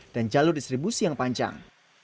dan jalur distribusi yang panjang